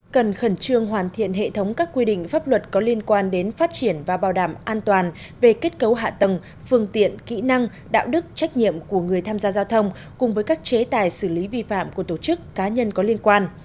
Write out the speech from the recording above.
cần khẩn trương hoàn thiện hệ thống các quy định pháp luật có liên quan đến phát triển và bảo đảm an toàn về kết cấu hạ tầng phương tiện kỹ năng đạo đức trách nhiệm của người tham gia giao thông cùng với các chế tài xử lý vi phạm của tổ chức cá nhân có liên quan